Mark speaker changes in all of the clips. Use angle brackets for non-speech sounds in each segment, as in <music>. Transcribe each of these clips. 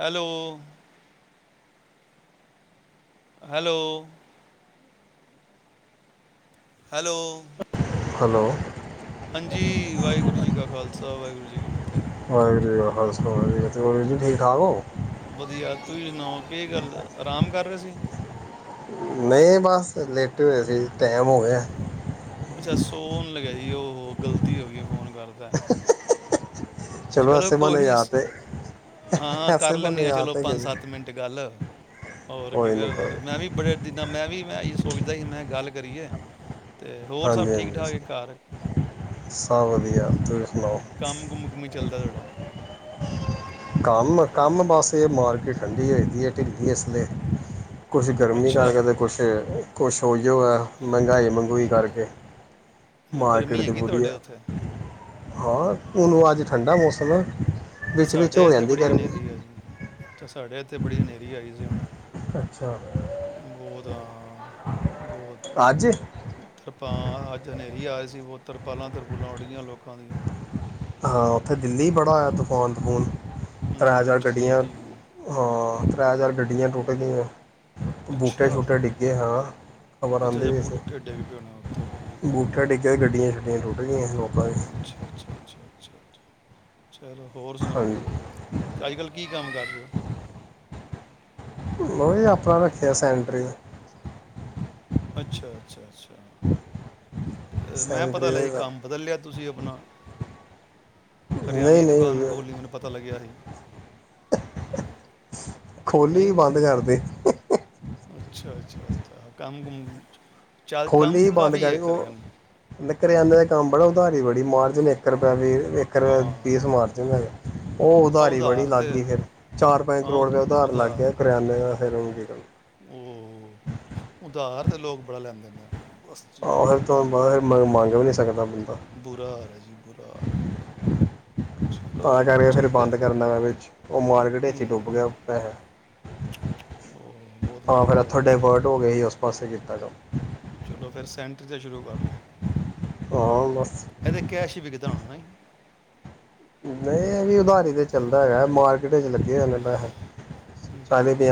Speaker 1: Hello hello hello
Speaker 2: hello
Speaker 1: ਹਾਂਜੀ ਵਾਹਿਗੁਰੂ ਜੀ ਕਾ ਖਾਲਸਾ ਵਾਹਿਗੁਰੂ। ਜੀ ਕੀ ਫਤਹਿ।
Speaker 2: ਵਾਹਿਗੁਰੂ ਜੀ ਕਾ ਖਾਲਸਾ ਵਾਹਿਗੁਰੂ ਜੀ ਕੀ ਫਤਹਿ ਹੋਰ ਜੀ ਠੀਕ ਠਾਕ ਹੋ।
Speaker 1: ਵਧੀਆ ਤੁਸੀਂ ਸੁਣਾਓ ਕੀ ਗੱਲ ਆਰਾਮ ਕਰ ਰਹੇ ਸੀ
Speaker 2: ਨਹੀਂ ਬਸ ਲੇਟੇ ਹੋਏ ਸੀ ਟਾਈਮ ਹੋ ਗਿਆ।
Speaker 1: ਅੱਛਾ ਸੌਣ ਲੱਗੇ ਸੀ। ਉਹ ਗ਼ਲਤੀ ਹੋ ਗਈ ਫੋਨ ਕਰਤੇ। ਚਲੋ
Speaker 2: ਐਸੇ
Speaker 1: ਕੋਈ
Speaker 2: ਬਹਾਨੇ
Speaker 1: ਨੀ
Speaker 2: ਯਾਦ ਤੇ
Speaker 1: ਹਾਂ ਕਰ
Speaker 2: ਐਸੇ ਬਹਾਨੇ
Speaker 1: ਲੈਣੇ
Speaker 2: ਯਾਦ
Speaker 1: ਚਲੋ
Speaker 2: ਤੇ
Speaker 1: ਪੰਜ
Speaker 2: ਕਰੀ
Speaker 1: ਸੱਤ ਮਿੰਟ ਗੱਲ। ਹੋਰ ਕੀ
Speaker 2: ਕੋਈ ਨਹੀਂ ਕੋਈ
Speaker 1: ਫਿਰ
Speaker 2: ਨੀ।
Speaker 1: ਮੈਂ ਵੀ ਬੜੇ ਦਿਨਾਂ ਮੈਂ ਵੀ। ਮੈ ਇਹੀ ਸੋਚਦਾ ਸੀ ਮੈਂ ਗੱਲ ਕਰੀਏ। ਅਤੇ ਹੋਰ ਸਭ
Speaker 2: ਹਾਂਜੀ
Speaker 1: ਠੀਕ
Speaker 2: ਹਾਂਜੀ
Speaker 1: ਠਾਕ ਹੈ ਘਰ
Speaker 2: ਸਭ ਵਧੀਆ। <unintelligible>
Speaker 1: ਕੰਮ ਕੁਮ ਕਿਵੇਂ ਚੱਲਦਾ ਤੁਹਾਡਾ।
Speaker 2: ਕੰਮ ਕੰਮ ਬਸ ਇਹ ਮਾਰਕੀਟ ਠੰਡੀ ਹੋ ਦੀ ਹੈ ਢਿੱਲੀ ਇਸ ਵੇਲੇ ਕੁਛ ਗਰਮੀ
Speaker 1: ਅੱਛਾ
Speaker 2: ਕਰਕੇ ਤੇ ਕੁਛ। ਕੁਛ ਉਹੀ ਹੋ ਏ। ਮਹਿੰਗਾਈ ਮਹਗੂਈ ਕਰਕੇ
Speaker 1: ਅੱਛਾ
Speaker 2: ਮਾਰਕੀਟ
Speaker 1: ਗਰਮੀ
Speaker 2: ਦੀ
Speaker 1: ਹੈਗੀ
Speaker 2: ਬੁਰੀ
Speaker 1: ਤੁਹਾਡੇ ਉੱਥੇ
Speaker 2: ਹਾਲਤ। ਹਾਂ ਹੁਣ ਉਹ ਅੱਜ ਠੰਡਾ ਮੌਸਮ ਹੈ। ਵਿੱਚ ਵਿੱਚ
Speaker 1: ਸਾਡੇ
Speaker 2: ਹੋ
Speaker 1: ਇੱਥੇ
Speaker 2: ਜਾਂਦੀ
Speaker 1: ਬੜੀ ਹਨੇਰੀ
Speaker 2: ਗਰਮੀ
Speaker 1: ਆਏ। ਸਾਡੇ ਇੱਥੇ ਬੜੀ ਹਨੇਰੀ ਆਈ ਸੀ ਹੁਣੇ।
Speaker 2: ਅੱਛਾ
Speaker 1: ਹਾ ਬਹੁਤ
Speaker 2: ਅੱਜ
Speaker 1: ਕਿਰਪਾ ਅੱਜ ਨੇ ਆਏ ਸੀ ਤਰਪਾਲਾਂ ਤਰਪਲਾਂ ਉੱਡੀਆਂ ਲੋਕਾਂ ਦੀਆਂ
Speaker 2: ਹਾਂ ਉੱਥੇ ਦਿੱਲੀ ਬੜਾ ਹੋਇਆ ਤਫਾਨ ਤਫੂਨ ਤ੍ਰੈ
Speaker 1: ਹਮ,
Speaker 2: ਚਾਰ
Speaker 1: ਅੱਛਾ
Speaker 2: ਗੱਡੀਆਂ
Speaker 1: ਦਿੱਲੀ ਵੀ
Speaker 2: ਹਾਂ ਤ੍ਰੈ ਚਾਰ ਗੱਡੀਆਂ ਟੁੱਟ ਗਈਆਂ ਬੂਟੇ
Speaker 1: ਅੱਛਾ
Speaker 2: ਸ਼ੂਟੇ ਡਿੱਗੇ ਹਾਂ ਖਬਰ
Speaker 1: ਅੱਛਾ
Speaker 2: ਆਂਦੀ
Speaker 1: ਅੱਛਾ
Speaker 2: ਪਈ ਸੀ
Speaker 1: ਬੂਟੇ ਡਿੱਗ ਪਏ ਹੋਣੇ ਉੱਤੇ ਠੀਕ ਹੈ,
Speaker 2: ਬੂਟਾ
Speaker 1: ਠੀਕ
Speaker 2: ਡਿੱਗਿਆ ਗੱਡੀਆਂ ਟੁੱਟ ਗਏ
Speaker 1: ਅੱਛਾ ਅੱਛਾ ਅੱਛਾ ਅੱਛਾ ਚਲੋ ਹੋਰ ਸੁਣਾਓ
Speaker 2: ਹਾਂਜੀ
Speaker 1: ਅੱਜ ਕੱਲ੍ਹ ਕੀ ਕੰਮ ਕਰਦੇ ਹੋ
Speaker 2: ਵਾਹ ਵਾਹ ਆਪਣਾ ਰੱਖਿਆ ਸੈਂਟਰ ਆ
Speaker 1: ਅੱਛਾ ਅੱਛਾ ਅੱਛਾ ਮੈਂ
Speaker 2: ਸੈਨਟਰੀ
Speaker 1: ਪਤਾ ਲੱਗਿਆ
Speaker 2: ਦਾ
Speaker 1: ਕੰਮ ਬਦਲਿਆ ਤੁਸੀਂ ਆਪਣਾ
Speaker 2: ਨਹੀਂ
Speaker 1: ਕਰਿਆਨੇ ਦੀ ਦੁਕਾਨ ਖੋਲ੍ਹਣੀ
Speaker 2: ਨਹੀਂ
Speaker 1: ਮੈਨੂੰ ਪਤਾ ਲੱਗਿਆ ਸੀ
Speaker 2: ਖੋਲੀ
Speaker 1: ਨਹੀਂ
Speaker 2: ਬੰਦ ਕਰਦੇ
Speaker 1: ਅੱਛਾ ਅੱਛਾ ਅੱਛਾ ਕੰਮ ਕੁਮ ਚੱਲ
Speaker 2: ਖੋ
Speaker 1: ਕੰਮ
Speaker 2: ਹੀ
Speaker 1: ਤੇ
Speaker 2: ਬੰਦ
Speaker 1: ਕਾਫੀ
Speaker 2: ਕਰ
Speaker 1: ਹੈ ਕਰਿਆ
Speaker 2: ਉਹ
Speaker 1: ਨੂੰ
Speaker 2: ਕਰਿਆਨੇ ਦਾ ਕੰਮ ਬੜਾ ਉਧਾਰੀ ਬੜੀ ਮਾਰਜਨ ਇੱਕ ਰੁਪਇਆ ਵੀਰ ਇੱਕ ਰੁਪਇ
Speaker 1: ਹਾਂ
Speaker 2: ਪੀਸ ਮਾਰਜ ਹੈਗਾ ਉਹ
Speaker 1: ਹਾਂ
Speaker 2: ਉਧਾਰੀ ਬੜੀ
Speaker 1: ਉਧਾਰ ਤੇ
Speaker 2: ਲਾਗੀ ਫਿਰ ਚਾਰ ਪੰਜ
Speaker 1: ਹਾਂ
Speaker 2: ਕਰੋੜ ਰੁਪਏ
Speaker 1: ਉਧ-
Speaker 2: ਦਾ ਉਦਾਰ
Speaker 1: ਉਹਦਾ
Speaker 2: ਲੱਗ ਗਿਆ ਕਰਿਆਨ ਦਾ ਫਿਰ ਹੁਣ ਕੀ
Speaker 1: ਉਹ ਉਧਾਰ ਤੇ ਲੋਕ ਬੜਾ ਲੈਂਦੇ ਨੇ ਬਸ ਜੀ
Speaker 2: ਆਹੋ
Speaker 1: ਬੁਰ-
Speaker 2: ਫਿਰ ਮੰਗ ਨੀ
Speaker 1: ਬੁਰਾ ਹਾਲ ਹੈ ਜੀ ਬਕਾਰ
Speaker 2: ਤਾਂ ਕਰਕੇ ਫੇਿਰ ਬੰਦ ਕਰਨਾ ਪਇਆ ਵਿੱਚ ਉਹ ਮਾਰਕੀਟ ਵਿੱਚ ਡੁੱਬ
Speaker 1: ਹਮ,
Speaker 2: ਗਿਆ ਪਹਿਆ
Speaker 1: ਉਹ ਬਹੁਤ
Speaker 2: ਹਾਂ
Speaker 1: ਮਾੜਾ
Speaker 2: ਫਿਰ
Speaker 1: ਹੋ
Speaker 2: ਉਥੋਂ
Speaker 1: ਗਿਆ ਜੀ
Speaker 2: ਡਾਇਵਰਟ ਹੋ ਗਏ ਸੀ ਉਸ ਪਾਸੇ ਜ ਹੈਲੋ
Speaker 1: ਚਲੋ ਫਿਰ ਸੈਂਟਰ ਤੇ ਸ਼ੁਰੂ ਕਰ ਲਿਆ
Speaker 2: ਹਾਂ ਬਸ
Speaker 1: ਇਹਦੇ ਕੈਸ਼ ਹੀ ਵਿਕਦਾ ਹੋਣਾਾ ਨਹੀਂ
Speaker 2: ਨਹੀਂ ਇਹ ਵੀ ਉਧਾਰੀ ਤੇ ਚੱਲਦਾ ਹੈਗਾ ਮਾਰਕੀਟ ਚ ਲੱਗੇ ਹੋਣੇ ਪੈਹੈ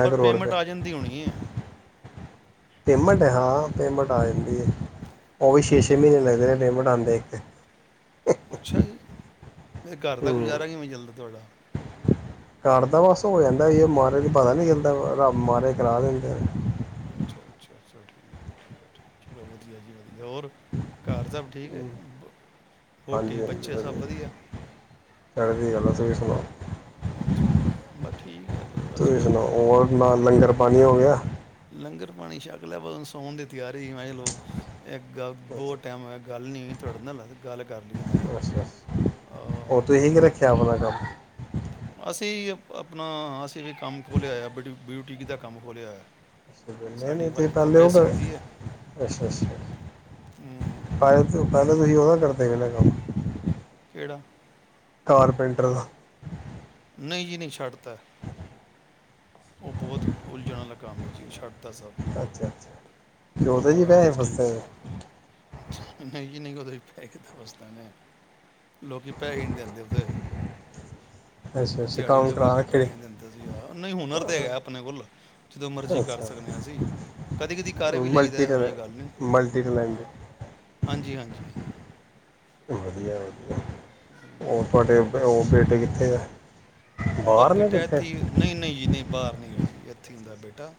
Speaker 1: ਪਰ ਪੇਮੈਂਟ ਆ ਜਾਂਦੀ ਹੋਣੀ ਹੈ
Speaker 2: ਪੇਮੈਂਟ ਹਾਂ ਪੇਮੈਂਟ ਆ ਜਾਂਦੀ ਹੈ ਉਹ ਵੀ ਛੇ-ਛੇ ਮਹੀਨੇ
Speaker 1: ਹਮ,
Speaker 2: ਨਜ਼ਰੇ ਨੀ ਮਨਾਂਦੇ- <inaudible>
Speaker 1: ਅੱਛਾ ਜੀ, ਫਿਰ ਘਰ ਦਾ ਗੁਜ਼ਾਰਾ ਕਿਵੇ ਚਲਦਾ <inaudible>
Speaker 2: ਘਰਦਾ ਬਸ ਹੋ ਜਾਂਦਾ ਇਹ ਮਹਾਰਾਜ ਪਤਾ ਨਹੀਂ ਚੱਲਦਾ ਰੱਬ ਮਹਾਰਾਜ ਕਰਾ ਦੇਂਦੇ
Speaker 1: ਅੱਛਾ-ਅੱਛਾ ਚਲੋ ਵਧੀਆ ਜੀ ਵਧੀਆ ਹੋਰ ਘਰ ਸਭ ਠੀਕ ਹੈ,
Speaker 2: ਹੂੰ
Speaker 1: ਵੋਟੀ
Speaker 2: ਹਾਂਜੀ ਹਾਂਜੀ
Speaker 1: ਬੱਚੇ ਸਭ ਵਧੀਆ
Speaker 2: ਚੜ੍ਹਦੀ ਕਲਾ ਤੁਸੀਂ ਸੁਣਾਓ
Speaker 1: ਅੱਛਾ ਬਸ ਠੀਕ ਹੈ
Speaker 2: ਤੁਸੀਂ
Speaker 1: ਅੱਜਕੱਲ
Speaker 2: ਸੁਣਾਓ ਹੋਰ ਨਾਲ ਲੰਗਰ ਪਾਣੀ ਹੋ ਗਿਆ
Speaker 1: ਲੰਗਰ ਪਾਣੀ ਸ਼ਕ ਲਿਆ, ਬੱਸ ਸੌਣ ਦੀ ਤਿਆਰੀ ਮੇ ਚਲੋ ਇੱਕ ਗੱਲ
Speaker 2: ਅੱਛਾ
Speaker 1: ਬਹੁਤ ਟਾਈਮ ਹੋਇਆ ਗੱਲ ਨਹੀਂ ਤੁਹਾਡੇ ਨਾਲ ਗੱਲ ਕਰ ਲਈ ਮੈਂ
Speaker 2: ਅੱਛਾ
Speaker 1: ਕਿਹਾ
Speaker 2: ਉਹ ਤੁਸੀਂ ਕੀ ਰੱਖਿਆ ਆਪਣਾ ਕੰਮ
Speaker 1: ਅਸੀ ਆਪਣਾ ਵੀ ਕੰਮ ਖੋਲਿਆ ਆ ਬੜੀ ਬਿਊਟੀਕ ਦਾ ਕੰਮ ਖੋਲਿਆ ਹੋਇਆ।
Speaker 2: ਅੱਛਾ,
Speaker 1: ਸਾਡੀ
Speaker 2: ਨਹੀਂ-ਨਹੀਂ ਤੁਸੀ
Speaker 1: ਵਾਈਫ
Speaker 2: ਪਹਿਲੇ ਓ
Speaker 1: ਕੱਪੜੇ
Speaker 2: ਕਰ,
Speaker 1: ਸਿੰਦੀ ਹੈ
Speaker 2: ਅੱਛਾ ਅੱਛਾ।
Speaker 1: ਹਮ,
Speaker 2: ਪਹਿਲ ਤੋ ਪਹਿਲੇ ਤੋ ਤੁਸੀ ਓਹਦਾ ਕਰਦੇ ਹੀ ਨਾ ਕੰਮ
Speaker 1: ਕਿਹੜਾ?
Speaker 2: ਕਾਰਪੈਂਟਰ ਦਾ।
Speaker 1: ਨਹੀਂ ਜੀ ਨਹੀਂ ਛੱਡਤਾ ਐ। ਉਹ ਬਹੁਤ ਉਲਝਣ ਆਲਾ ਕੰਮ ਸੀ। ਓਹ ਛੱਡ ਤਾ
Speaker 2: ਅੱਛਾ ਅੱਛਾ ਤੇ
Speaker 1: ਸਭ।
Speaker 2: ਉਹਦੇ 'ਚ ਹੀ
Speaker 1: ਔਰ ਆ
Speaker 2: ਪੈਸੇ
Speaker 1: ਬਿਊਟੀਕ
Speaker 2: ਫਸਦੇ
Speaker 1: ਆਲਾ।
Speaker 2: ਨੇ
Speaker 1: ਨਹੀਂ ਜੀ ਨਹੀਂ ਓਹ ਤੁਹੀ ਪੈਸੇ ਦਾ ਪੁਛ ਦੇ ਨੇ ਆ, ਲੋਕੀ ਪੈਹੇ ਈ ਨੀ ਦੇਂਦੇ ਓਦੇ।
Speaker 2: ਅੱਛਾ ਅੱਛਾ
Speaker 1: ਦਿਹਾੜੀ
Speaker 2: ਕੰਮ
Speaker 1: ਲਵਾ
Speaker 2: ਕਰਾ
Speaker 1: ਕੇ
Speaker 2: ਰੱਖੇ
Speaker 1: ਪੈਹੇ ਨਹੀਂ ਦਿੰਦੇ ਸੀ ਯਾਰ। ਨਹੀਂ ਹੁਨਰ ਤੇ ਹੈਗਾ ਆਪਣੇ ਕੋਲ ਜਦੋਂ ਮਰਜ਼ੀ ਕਰ
Speaker 2: ਅੱਛਾ
Speaker 1: ਸਕਨੇ‌ ਆਂ ਅਸੀਂ, ਕਦੀ-ਕਦੀ ਕਰ ਵੀ ਲਈਦਾ,
Speaker 2: ਮਲਟੀ
Speaker 1: ਇਹੋ
Speaker 2: ਟੈਲੈਂ
Speaker 1: ਜੀ ਗੱਲ ਨੀ,
Speaker 2: ਮਲਟੀ
Speaker 1: ਹਾਂ
Speaker 2: ਟੈਲੈਂਟਡ
Speaker 1: ਹਾਂਜੀ ਹਾਂਜੀ। ਜੀ ਜੀ।
Speaker 2: ਵਧੀਆ ਵਧੀਆ
Speaker 1: ਹਮ।
Speaker 2: ਉਹ ਤੁਆਡੇ ਅ ਬ ਉਹ ਬੇਟੇ ਕਿੱਥੇ ਐ।
Speaker 1: ਬਹ ਬੇਟਾ ਏਥੇ ਈ ਐ, ਨਹੀਂ-ਨਹੀਂ ਜੀ ਨਹੀਂ ਬਾਹਰ ਨੀ ਗਾ ਜੀ। ਏਥੇ ਈ
Speaker 2: ਅੱਛਾ
Speaker 1: ਹੁੰਦਾ ਬੇਟਾ।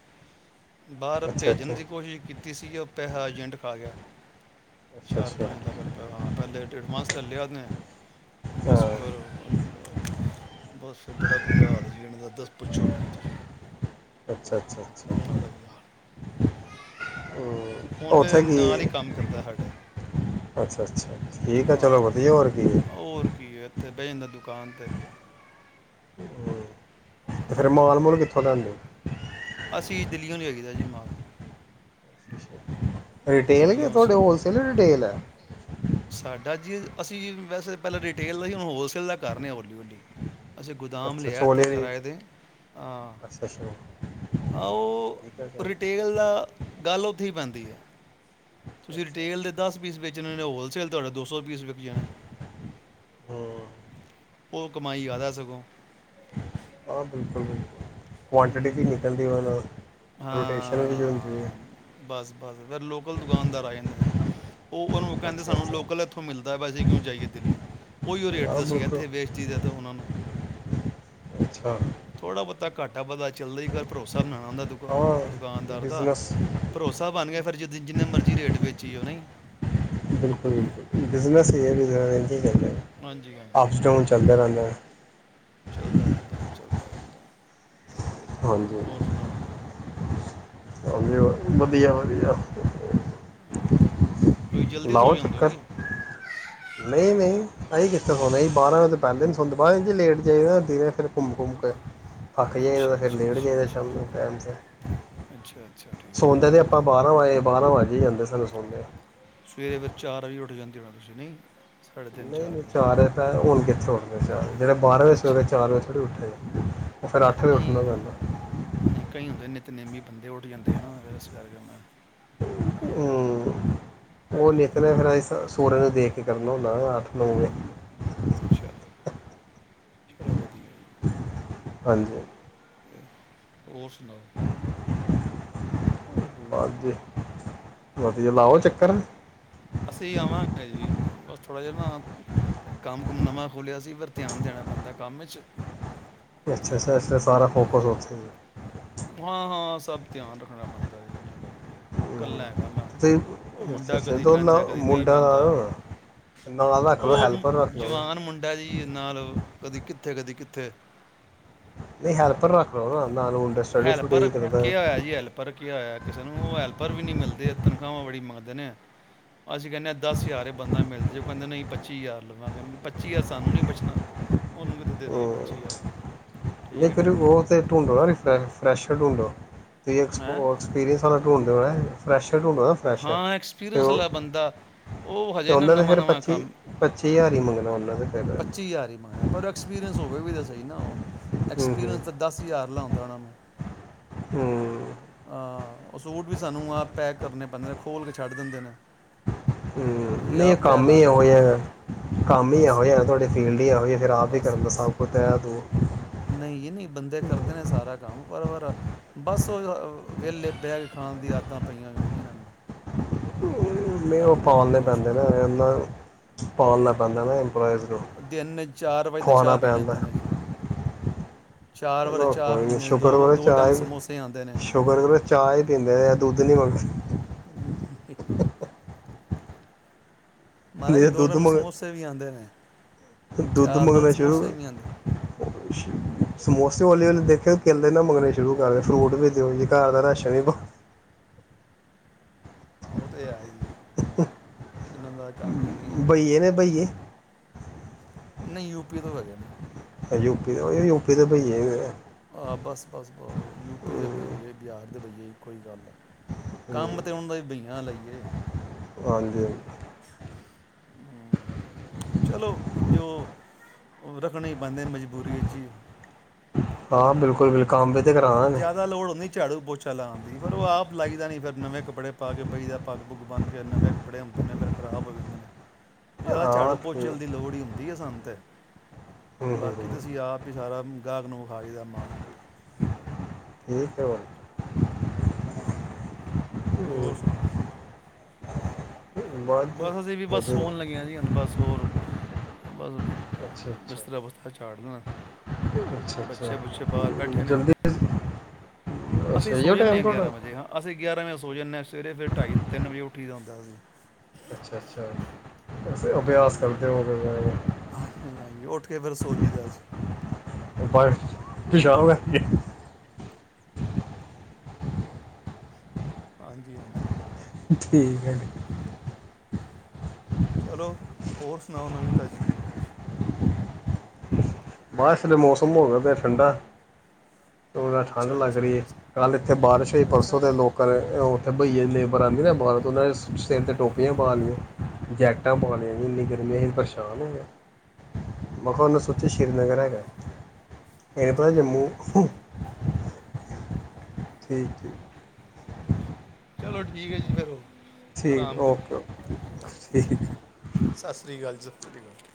Speaker 1: ਬਾਹਰ
Speaker 2: ਅੱਛਾ
Speaker 1: ਭੇਜਣ ਦੀ
Speaker 2: ਅੱਛਾ
Speaker 1: ਕੋਸ਼ਿਸ਼ ਕੀਤੀ ਸੀ, ਜੋ ਪੈਹਾ ਆਜ ਏਜੰਟ ਖਾ ਗਿਆ। ਚਾਰ
Speaker 2: ਅੱਛਾ
Speaker 1: ਪੰਜ ਲੱਖ ਰੁਪਏ, ਹਾਂ ਪਹਿਲੇ ਐਡਵਾਂਸ ਲੈ ਲਿਆ। ਨੇ ਬਸ
Speaker 2: ਹਾਂ
Speaker 1: ਫਿਰ ਅਨ-ਅ ਬਸ ਬੜਾ ਬੁਰਾ ਹਾਲ ਜੀ ਏਨ ਦਾ, ਬਸ ਪੁੱਛੋ ਨਾ ਯੀ ਤੁਸੀਂ।
Speaker 2: ਅੱਛਾ ਅੱਛਾ ਅੱਛਾ।
Speaker 1: ਉਹਨਾਂ ਦਾ ਹੀ ਹਾਲ
Speaker 2: ਹਮ
Speaker 1: ਹੁਣ ਵੇ
Speaker 2: ਉੱਥੇ ਕੀ ਏ,
Speaker 1: ਨਾਲ ਹੀ ਕੰਮ ਕਰਦਾ ਸਾਡੇ
Speaker 2: ਅੱਛਾ ਅੱਛਾ। ਠੀਕ ਐ, ਚਲੋ ਵਧੀਆ ਹੋਰ ਕੀ ਏ।
Speaker 1: ਤੇ ਬਹਿ ਜਾਂਦਾ ਦੁਕਾਨ ਤੇ।
Speaker 2: ਤੇ ਫਿਰ ਮਾਲ ਮੂਲ ਕਿੱਥੋਂ ਲਿਆਂਦੇ ਓ?
Speaker 1: ਅਸੀਂ ਦਿੱਲੀਓਂ ਲਿਆਈ ਦੈ ਜੀ ਮਾਲ।
Speaker 2: ਰਿਟੇਲ ਐ ਕੇ,
Speaker 1: ਦਿੱਲੀੋਂ
Speaker 2: ਤੁਆਡੇ ਹੋਲਸੇਲ ਰਿਟੇਲ ਐ। <inaudible>
Speaker 1: ਸਾਡਾ ਜੀ, ਅਸੀਂ ਵੈਸੇ ਪਹਿਲਾਂ ਰਿਟੇਲ ਦਾ ਹੀ, ਹੁਣ ਹੋਲਸੇਲ ਦਾ ਕਰਨੇ ਆਂ ਹੌਲੀ ਹੌਲੀ। ਅਸੀਂ ਗੋਦਾਮ
Speaker 2: ਅੱਛਾ
Speaker 1: ਲਿਆ,
Speaker 2: ਛੋਲੇ
Speaker 1: ਏਥੇ
Speaker 2: ਰੇ
Speaker 1: ਕਿਰਾਏ ਦੇ। ਆਂ,
Speaker 2: ਅੱਛਾ ਅੱਛਾ
Speaker 1: ਆ ਓਹ
Speaker 2: ਠੀਕ ਹੈ ਸਰ
Speaker 1: ਰਿਟੇਲ ਦਾ ਗੱਲ ਉੱਥੇ ਈ ਪੈਂਦੀ ਐ। ਤੁਸੀਂ
Speaker 2: ਅੱਛਾ
Speaker 1: ਰਿਟੇਲ ਦੇ ਦਸ ਪੀਸ ਵੇਚਣ ਨੇ ਹੋਲਸੇਲ ਤੁਹਾਡੇ ਦੋਸ। ਸੌ ਪੀਸ ਵਿਕ ਜਾਣਾ।
Speaker 2: ਹੂੰ
Speaker 1: ਉਹ ਕਮਾਈ ਜਿਆਦਾ ਸਗੋਂ।
Speaker 2: ਹਹ ਬਿਲਕੁਲ ਬਿਲਕੁਲ। ਕੁਆਂਟਿਟੀ ਕਿ
Speaker 1: ਹੂੰ
Speaker 2: ਨਿਕਲਦੀ ਉਹਨੂੰ।
Speaker 1: ਹਾਂ ਬਸ ਬਸ ਫਿਰ ਲੋਕਲ ਦੁਕਾਨਦਾਰ ਆ ਜਾਂਦੇ। <unintelligible> ਉਹ ਉਹਨੂੰ ਕਹਿੰਦੇ
Speaker 2: ਅੱਛਾ
Speaker 1: ਸਾਨੂੰ ਲੋਕਲ
Speaker 2: ਅੱਛਾ
Speaker 1: ਇੱਥੋਂ ਮਿਲ। ਵੈਸੇ ਕਿਉਂ ਚਈਏ ਦਿੱਲੀ। ਉਹੀਓ ਰੇਟ
Speaker 2: ਹਾਂ
Speaker 1: ਤੇ ਅਸੀ
Speaker 2: ਬਿਲਕੁਲ
Speaker 1: ਇੱਥੇ ਵੇਚਦੀ ਦਾ ਅਤੇ ਉਹਨਾਂ ਨੂੰ।
Speaker 2: ਅੱਛਾ
Speaker 1: ਥੋੜਾ ਬਹੁਤਾ। ਘਾਟਾ ਵੱਧਦਾ ਚਲਦਾ ਹੀ ਪਰ ਭਰੋਸਾ ਬਣਾਉਣਾ ਹੁੰਦਾ।
Speaker 2: ਹਾਂ
Speaker 1: ਦੁਕਾਨਦਾਰ ਦਾ
Speaker 2: ਬਿਜ਼ਨਸ
Speaker 1: ਭਰੋਸਾ ਬਣ ਗਿਆ ਫਿਰ ਜਦੋਂ। ਤੇ ਜਿੰਨੇ ਮਰਜ਼ੀ ਰੇਟ ਵੇਚੀਓ ਨਹੀਂ।
Speaker 2: ਬਿਲਕੁਲ ਬਿਲਕੁਲ ਬਿਜਨਸ ਹੀ ਹੈ ਹੀ ਚੱਲਦਾ
Speaker 1: ਹਾਂਜੀ ਹਾਂਜੀ
Speaker 2: ਅਪਸ ਡਾਊਨ ਚੱਲਦਾ ਰਹਿੰਦਾ ਹੈ।
Speaker 1: ਚੱਲਦਾ ਰਹਿੰਦਾ ਜੀ ਚੱਲ।
Speaker 2: ਹਾਂਜੀ
Speaker 1: ਹੋਰ ਸੁਣਾਓ
Speaker 2: ਵਧੀਆ ਵਧੀਆ।
Speaker 1: ਕੋਈ ਜਲਦੀ ਸੋ
Speaker 2: ਲਾਓ
Speaker 1: ਜਾਂਦੇ ਹੋ
Speaker 2: ਚੱਕਰ
Speaker 1: ਕੀ।
Speaker 2: ਨਹੀਂ ਨਹੀਂ ਅਸੀਂ ਕਿੱਥੇ ਸੋਣ ਸੀ ਬਾਰਾਂ ਵਜੇ ਪਹਿਲੇ ਨ ਸੁਣਦੇ ਬਾਅਦ ਲੇਟ ਜਾਈਦਾ ਦਿ ਫਿਰ ਘੁੰਮਕੁਮ ਕੇ। ਥੱਕ
Speaker 1: ਅੱਛਾ
Speaker 2: ਜਾਈਦਾ ਫਿਰ
Speaker 1: ਅੱਛਾ
Speaker 2: ਲੇਟ
Speaker 1: ਅੱਛਾ
Speaker 2: ਚਾਦਾ
Speaker 1: ਅੱਛਾ
Speaker 2: ਸ਼ਾਮ ਟਾਈਮ ਸਿਰ
Speaker 1: ਅੱਛਾ ਅੱਛਾ ਠੀਕ ਹੈ
Speaker 2: ਸੋਦੇ
Speaker 1: ਠੀਕ
Speaker 2: ਤਾਂ ਆਪਾਂ
Speaker 1: ਹੈ
Speaker 2: ਬਾਰਾਂੇ ਬਾਰਾਂ ਵ ਜਾਂਦੇ। ਸੱਲ ਸੁੋਦੇਾਂ
Speaker 1: ਸਵੇਰੇ ਫਿਰ ਚਾਰ ਵਜੇ ਉੱਠ ਜਾਂਦੇ ਤੁਸੀਂ ਨਹੀਂ ਸਾਢੇ ਤਿੰਨ
Speaker 2: ਨਹੀਂ ਨਹੀਂ
Speaker 1: ਵਜੇ
Speaker 2: ਚ ਰਿਹਾ ਤਾਂ ਹੁਣ ਕਿਥੇ ਸੌਦੇ ਚਾਰ। ਸਵੇਰੇ ਬਾਰਾ
Speaker 1: ਅੱਛਾ
Speaker 2: ਵਜੇ ਫਿਰ
Speaker 1: ਅੱਛਾ,
Speaker 2: ਚਾਰ ਵਜੇ ਉੱਠੇ। ਫਿਰ ਅੱਠ ਵਜੇ
Speaker 1: ਨਹੀਂ
Speaker 2: ਉੱਠਣਾ ਪੈਂਦਾ
Speaker 1: ਨਿਤਨੇਮ ਬੰਦੇ ਉੱਠ ਜਾਂਦੇ ਨੇ।
Speaker 2: ਹੂ ਉਹ ਨਿਤਨੇਮ ਰਾਈ ਸੂਰਜ ਨੂੰ ਦੇਖ ਕੇ ਕਰਨਾ ਹੁੰਨਾ ਅੱਠ ਨੌ ਵਜੇ
Speaker 1: ਅੱਛਾ। ਚਲੋ ਵਧੀਆ ਜੀ
Speaker 2: ਹਾਂਜੀ।
Speaker 1: ਹੋਰ ਸੁਣਾਓ।
Speaker 2: ਵਾਦੀ ਵਧੀਆ ਲਾਓ ਚੱਕਰ।
Speaker 1: ਅਸੀਂ ਆਵਾਂਗੇ ਜੀ ਬਸ ਥੋੜਾ ਜਿਹਾ ਨਾ ਕੰਮ ਕੁਮ ਨਵਾਂ ਖੋਲਿਆ ਸੀ ਫੇਰ ਧਿਆਨ ਦੇਣਾ ਪੈਂਦਾ ਕੰਮ ਵਿਚ
Speaker 2: ਅੱਛਾ ਅੱਛਾ ਇਸ ਲਈ ਸਾਰਾ ਫੋਕਸ ਉਥੇ ਅਤੇ
Speaker 1: ਹਾਂ ਹਾਂ ਸਭ ਧਿਆਨ ਰੱਖਣਾ ਪੈਂਦਾ ਹੈ ਕਲੇ ਕਰਕੇ ਕਲਾ ਆ।
Speaker 2: ਤੁਸੀਂ
Speaker 1: ਉਹ
Speaker 2: ਅੱਛਾ
Speaker 1: ਮੁੰਡਾ
Speaker 2: ਅੱਛਾ
Speaker 1: ਕਦੀ
Speaker 2: ਤੇ
Speaker 1: ਬਹਿੰਦਾ
Speaker 2: ਉਹ
Speaker 1: ਕਦੀ ਨਹੀਂ
Speaker 2: ਮੁੰਡਾ
Speaker 1: ਬਹਿੰਦਾ।
Speaker 2: ਨਾਲ ਰੱਖ ਲਓ
Speaker 1: ਉਹ
Speaker 2: ਹੈਲਪਰ ਰੱਖ ਲਓ
Speaker 1: ਜਵਾਨ ਮੁੰਡਾ ਜੀ ਨਾਲ ਕਦੀ ਕਿੱਥੇ ਕਦੀ ਕਿੱਥੇ। ਤੇ
Speaker 2: ਨਹੀਂ ਹੈਲਪਰ ਰੱਖ ਲਓ ਨਾ। ਨਾਲ ਮੁੰਡਾ ਸਟੱਡੀ
Speaker 1: ਹੈਲਪਰ
Speaker 2: ਸਟੂਡੀ ਕਰਦਾ
Speaker 1: ਕੀ ਹੋਇਆ ਜੀ ਹੈਲਪਰ ਹੋਇਆ ਕਿਸੇ ਨੂੰ ਉਹ ਹੈਲਪਰ ਵੀ ਨਹੀਂ ਮਿਲਦੇ ਤਨਖਾਹਾਂ ਬੜੀ ਮੰਗਦੇ। ਅਸੀਂ ਕਹਿੰਦੇ ਹ ਦਸ ਹਜ਼ਾਰ ਬੰਦਾ ਮਿਲ ਜੇ। ਉਹ ਕਹਿੰਦੇ ਨਹੀਂ ਪੱਚੀ ਹਜ਼ਾਰ ਲਵਾਂਗੇ। ਪੱਚੀ ਹਜ਼ਾਰ ਸਾਨੂੰ ਨੀ ਬਚਣਾ। ਉਹਨੂੰ ਕਿਥੇ ਦੇ ਦੇਈਏ
Speaker 2: ਹੂੰ
Speaker 1: ਪੱਚੀ ਹਜ਼ਾਰ। ਠੀਕ
Speaker 2: ਨਹੀਂ
Speaker 1: ਹੈ ਨਾ
Speaker 2: ਕਰ ਉਹ ਤੇ ਢੂੰਡਨਾ ਵਿ ਪੇਨਾ। ਫਰੈਸ਼ਰ ਢੂੰਡੋ ਤੁ ਅਕੂਸ
Speaker 1: ਹੈਂ
Speaker 2: ਐਕਸਪੀਰੀਅੰਸ ਵਾਲਾ ਢੂੰਡ ਹੋਇਆ ਫ਼੍ਰੇਸ਼
Speaker 1: ਹਾਂ ਐਕਸਪੀਰੀਅੰਸ ਲੈ ਬੰਦਾ ਉਹ
Speaker 2: ਅਤੇ
Speaker 1: ਹਜੇ ਨਾ
Speaker 2: ਉਹਨਾਂ ਦੇ
Speaker 1: ਨਵਾਂ
Speaker 2: ਫਿਰ
Speaker 1: ਨਵਾਂ
Speaker 2: ਪੱਚੀ
Speaker 1: ਕੰਮ
Speaker 2: ਪੱਚੀ ਹਜ਼ਾਰ ਹੀ ਮੰਗਣਾ ਉਹਨਾਂ ਦੇ ਫਿਰ
Speaker 1: ਪੱਚੀ ਹਜ਼ਾਰ ਹੀ ਮੰਗਦਾ। ਐਕਸਪੀਰੀਅੰਸ ਹੋਵੇ ਵੀ ਦੱਸ। ਐਨਾ ਉਹ
Speaker 2: ਹੂੰ ਹੂੰ
Speaker 1: ਐਕਸਪੀਰੀਅੰਸ ਤਾਂ ਦਸ ਹਜ਼ਾਰ ਲਾਉਂਦਾ ਉਹਨਾਂ ਨੂੰ।
Speaker 2: ਹੂੰ
Speaker 1: ਆਹ। ਉਹ ਸੂਟ ਵੀ ਸਾਨੂੰ ਆਪ ਪੈਕ ਕਰਨੇ। ਬੰਦੇ ਤੇ ਖੋਲ ਕੇ ਛੱਡ ਦਿੰਦੇ ਨੇ। ਅਸੀਂ
Speaker 2: ਨਹੀਂ
Speaker 1: ਆਪ ਤੈਅ
Speaker 2: ਕੰਮ ਹੀ
Speaker 1: ਲਾ ਕੇ
Speaker 2: ਇਹੋ
Speaker 1: ਰੱਖੀ ਦੇ
Speaker 2: ਜਿਹਾ
Speaker 1: ਨੇ
Speaker 2: ਕੰਮ ਹੀ
Speaker 1: ਬਸ
Speaker 2: ਇਹੋ ਤੁਹਾਡੀ ਫੀਲਡ ਇਹੋ ਜਿਹੀ ਫਿਰ ਆਪ ਹੀ
Speaker 1: ਬਸ
Speaker 2: ਕਰਨ ਦਾ
Speaker 1: ਬਸ
Speaker 2: ਸਭ ਕੁਝ ਹੈ ਤੂੰ
Speaker 1: ਨਹੀਂ ਜੀ ਨਹੀਂ ਬੰਦੇ ਕਰਦੇ ਨੇ ਸਾਰਾ ਕੰਮ ਪਰ ਫੇਰ ਬਸ ਉਹ ਵਿਹਲੇ ਬੈ ਕੇ ਖਾਣ ਦੀ ਆਦਤਾਂ ਪਈਆਂ ਹੈ ਜ ਇਹਨਾਂ ਨੂੰ
Speaker 2: ਨਹੀਂ ਉਹ
Speaker 1: ਕੰਮ ਕਰਕੇ
Speaker 2: ਪਾਲਣੇ
Speaker 1: ਖੁਸ਼ ਹੀ
Speaker 2: ਪੈਂਦੇ
Speaker 1: ਨਹੀਂ
Speaker 2: ਨਾ
Speaker 1: ਹਾਂ
Speaker 2: ਪਪੈਂਦਾ ਨਾ ਇੰਪਲੋਇਜ਼ ਨੂੰ
Speaker 1: ਦਿਨ ਚਾਰ ਵਜੇ ਤਾਂ
Speaker 2: ਖਆਉਣਾ
Speaker 1: ਚਾਹ ਪੀ
Speaker 2: ਪੈਂਦਾ
Speaker 1: ਜਾਂਦੇ ਨੇ ਜੀ ਚਾਰ ਵਾਰ
Speaker 2: ਚਲੋ
Speaker 1: ਚਾਹ
Speaker 2: ਕੋਈ ਨੀ
Speaker 1: ਪੀਂਦੇ ਨੇ
Speaker 2: ਸ਼ੂਗਰ
Speaker 1: ਦੋ
Speaker 2: ਕਰੋ
Speaker 1: ਦੋ
Speaker 2: ਚਾਹ
Speaker 1: ਟਾਈਮ
Speaker 2: ਹੀ
Speaker 1: ਸਮੋਸੇ ਆਉਂਦੇ ਨੇ
Speaker 2: ਸ਼ੂਗਰ ਕਰੋ ਚਾਹ ਹੀ ਪੀਂਦੇ ਦੁਧ ਨੀ ਮੰਗਦੇ।
Speaker 1: ਇੱਕ ਮਹਾਰਾਜ
Speaker 2: ਜੇ
Speaker 1: ਦੋ
Speaker 2: ਦੁੱਧ
Speaker 1: ਟਾਈਮ
Speaker 2: ਮੰਗ
Speaker 1: ਸਮੋਸੇ ਵੀ ਆਉਂਦੇ ਨੇ।
Speaker 2: ਦੁੱਧ
Speaker 1: ਚਾਹ ਨਾਲ
Speaker 2: ਮੰਗਣਾ ਸ਼ੁਰੂ।
Speaker 1: ਸਮੋਸੇ ਵੀ ਆਉਂਦੇ
Speaker 2: ਸਮੋਸੇ ਵਾਲਿਆਂ ਨੂੰ ਦੇਖ ਕੇਲੇ ਨਾ ਮੰਗਣੇ ਸ਼ੁਰੂ ਕਰ ਦਿ ਫਰੂਟ ਵੀ ਦਿਓ ਜੇ ਘਰ ਦਾ ਰਾਸ਼ਨ ਵੀ ਪਾਓ।
Speaker 1: ਉਹ ਤੇ ਹੈ ਈ ਏ। ਇਹਨਾਂ ਦਾ ਕੰਮ ਆਵੇ ਹੀ ਏ।
Speaker 2: ਬਈਏ ਨੇ ਬਈਏ
Speaker 1: ਨਹੀਂ ਯੂਪੀ ਤੋਂ ਹੈਗੇ ਨੇ।
Speaker 2: ਯੂਪੀ ਦੇ ਯੂਪੀ ਦੇ ਭਈਏ।
Speaker 1: ਹਾਂ ਬਸ ਬਸ ਔ ਯੂਪੀ ਦੇ
Speaker 2: ਹੂੰ,
Speaker 1: ਭਈਏ ਬਿਹਾਰ ਦੇ ਇਹੀ ਕੋਈ ਗੱਲ ਨਹੀਂ ਕੰਮ
Speaker 2: ਹੂੰ,
Speaker 1: ਤੇ ਹੁਣ ਬਈ ਲਈਏ
Speaker 2: ਹਾਂਜੀ ਹਾਂਜੀ।
Speaker 1: ਚਲੋ ਜੋ ਰੱਖਣੇ ਪਉਦੇ ਮਜਬੂਰੀ ਵਿੱਚ
Speaker 2: ਹਾਂ ਬਿਲਕੁਲ ਬਿਲਕੁਲ
Speaker 1: ਜਿਆਦਾ ਲੋੜ ਹੁੰਦੀ ਝਾੜੂ ਪੋਚਾ ਲਾਉਣ ਦੀ ਪਰ ਆਪ ਲਾਈਦਾ ਨੀ ਫਿਰ ਨਵੇਂ ਕੱਪੜੇ ਪਾ ਕੇ ਬਈ ਦਾ ਪੱਗ ਬੁੱਗ ਬਣਨ ਕੇ ਨਵੇਂ ਕੱਪੜੇ ਹੁੰਦੇ ਨੇ ਫਿਰ ਖਰਾਬ ਹੋ ਜਾਂਦੇ ਨੇ ਜਿਆਦਾ
Speaker 2: ਹਾਂ
Speaker 1: ਝਾੜੂ
Speaker 2: ਠੀਕ
Speaker 1: ਪੋਚਲ ਦੀ ਲੋੜ ਹੀ ਹੁੰਦੀ ਆ ਸਾਨੂੰ ਤੇ
Speaker 2: ਹੂੰ ਹੂੰ
Speaker 1: ਬਾਕੀ
Speaker 2: ਹੂੰ,
Speaker 1: ਤੁਸੀਂ ਆਪ ਹੀ ਸਾਰਾ ਗਾਹਕ ਨੂੰ <unintelligible> ਮਾਲ
Speaker 2: ਠੀਕ ਹੈ
Speaker 1: ਹੂੰ
Speaker 2: <inaudible>
Speaker 1: ਹੋਰ ਸੁਣਾਓ
Speaker 2: ਬਾਅਦ
Speaker 1: ਬਸ ਅਸੀਂ ਵੀ ਬਸ
Speaker 2: ਵਧੀਆ
Speaker 1: ਸੋਣ ਲੱਗਿਆ ਜੀ ਹੂਨ ਬਸ ਹੋਰ ਬਸ
Speaker 2: ਅੱਛਾ ਅੱਛਾ
Speaker 1: ਬਿਸਤਰਾ੍ ਬਤਾ ਝਾੜਨਾ
Speaker 2: ਅੱਛਾ ਅੱਛਾ
Speaker 1: ਬਛੇ ਬਛੇ ਬਾਹਰ
Speaker 2: ਹੂੰ,
Speaker 1: ਬੈਠੇ ਨੇ
Speaker 2: ਜਲਦੀ
Speaker 1: ਅਸੀਂ
Speaker 2: ਅੱਛਾ
Speaker 1: ਸੋ
Speaker 2: ਇਹੋ
Speaker 1: ਜਾਂਦੇ
Speaker 2: ਟਾਈਮ
Speaker 1: ਹਾਂ
Speaker 2: ਤੁਹਾਡਾ
Speaker 1: ਗਿਆਰਾਂ ਵਜੇ ਹਾਂ ਅਸੀਂ ਗਿਆਰਾਂ ਵਜੇ ਸੋ ਜਾਂਦੇ ਹਾਂ ਸਵੇਰੇ ਫਿਰ ਢਾਈ ਤਿੰਨ ਵਜੇ ਉੱਠੀ ਦਾ ਹੁੰਦਾ ਸੀ
Speaker 2: ਅੱਛਾ, ਅੱਛਾ ਵੈਸੇ ਅਭਿਆਸ
Speaker 1: ਹਾਂਜੀ
Speaker 2: ਕਰਦੇ ਹੋਵੇਗਾ ਓ।
Speaker 1: ਹਾਂਜੀ, ਹਾਂਜੀ ਉੱਠ ਕੇ ਫਿਰ ਸੋਂ ਜਾਇਦਾ ਅਸੀਂ।
Speaker 2: ਤੁਸੀਂ ਜਾਓਗੇ।
Speaker 1: ਹਾਂਜੀ, ਹਾਂਜੀ
Speaker 2: ਠੀਕ ਹੈ ਜੀ।
Speaker 1: ਚਲੋ ਹੋਰ ਸੁਣਾਓ, ਨਵੀਂ- ਤਾਜ਼ੀ
Speaker 2: ਵਾਸ ਇਥੇ ਮੌਸਮ ਹੋ ਗਿਆ ਪਆ ਠੰਡਾ। ਉ ਤਾਂ ਠੰਡ
Speaker 1: ਅੱਛਾ
Speaker 2: ਲੱਗ ਰਈ
Speaker 1: ਅੱਛਾ
Speaker 2: ਏ
Speaker 1: ਅੱਛਾ
Speaker 2: ਕੱਲ ਇੱਥੇ ਬਾਰਿਸ਼ ਹੋਈ
Speaker 1: ਅੱਛਾ
Speaker 2: ਪਰਸੋਂ ਦੇ ਲੋਕਾਂ ਓ। ਜ ਭੈਆ ਲੇਬਰ ਆਂਦੇ ਨਾ ਬਾਰ ਓਨਾਨੇ ਸਿਰ ਤੇ ਟੋਪੀਆਂ ਪਾ ਲਈਆਂ ਜੈਕਟਾਂ ਪਾਉਣੀਆਂ ਇੰਨੀ ਗਰਮੀ ਅਹੀ ਪਰੇਸ਼ਾਨ ਹੋਈਆ ਮੈਂ ਕਿਹਾ ਉਹਨੇ ਸੋਚਿਆ। ਸ਼੍ਰੀਨਗਰ ਹੈਗਾ
Speaker 1: ਅੱਛਾ
Speaker 2: ਇਹਪਤੇ ਜੰਮੂ। ਠੀਕ ਠੀਕ
Speaker 1: ਚਲੋ ਠੀਕ ਹੈ ਜੀ ਫਿਰ ਉਨ।
Speaker 2: ਠੀਕ ਓਕੇ ਓਕੇ। ਠੀਕ।
Speaker 1: ਸਿਰੀ ਕਾਲ਼।